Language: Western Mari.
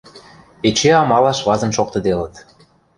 Эче амалаш вазын шоктыделыт.